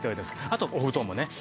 あとお布団もね。